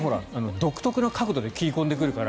独特の角度で切り込んでくるから。